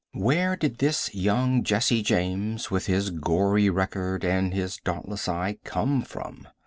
Where did this young Jesse James, with his gory record and his dauntless eye, come from?